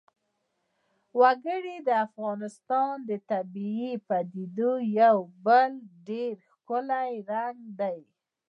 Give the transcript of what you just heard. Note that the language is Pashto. وګړي د افغانستان د طبیعي پدیدو یو بل ډېر ښکلی رنګ دی.